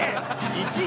１位。